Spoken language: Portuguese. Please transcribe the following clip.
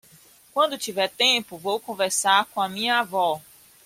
Quando tiver tempo, vou conversar com a minha avó.